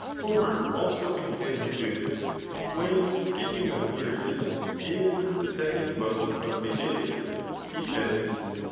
Homer also intends to do this, when speaking of Ulreus [in the 2d book of the Iliad,] he says.